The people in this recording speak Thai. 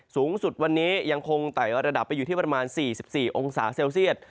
สูงสุดวันนี้ยังคงไต่ระดับไปอยู่ที่ประมาณ๔๔องศาเซลเซียต